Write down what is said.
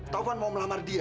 taufan mau melamar dia